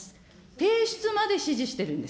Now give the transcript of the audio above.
提出まで指示してるんです。